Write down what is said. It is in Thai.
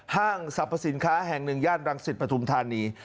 ห้างสรรพสินค้าแห่งหนึ่งย่านรังสิตปฐุมธานี